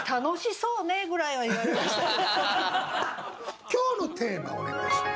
ああでも今日のテーマお願いします。